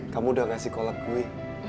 kamu udah ngasih kolek gue